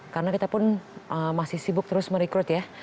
karena kita pun masih sibuk terus merekrut ya